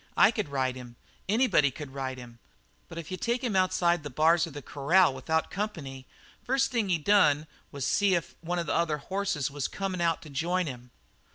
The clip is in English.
I could ride him; anybody could ride him. But if you took him outside the bars of the corral without company, first thing he done was to see if one of the other hosses was comin' out to join him.